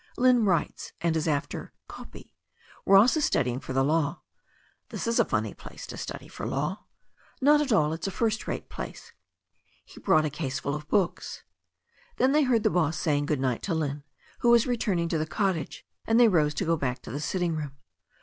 "Lynne writes, and is after 'copy.' Ross is studying for the law." *'This is 2l funny place to study for law." THE STORY OF A NEW ZEALAND RIVER 297 . "Not at all. It's a first rate place. He brought a ease ful of books." Then they heard the boss saying good night to Lynne, who was returning to the cottage, and they rose to go back to the sitting room.